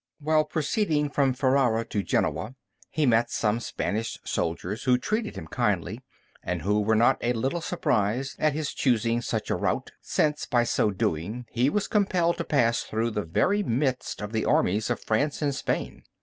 While proceeding from Ferrara to Genoa, he met some Spanish soldiers, who treated him kindly, and who were not a little surprised at his choosing such a route, since by so doing he was compelled to pass through the very midst of the armies of France and Spain.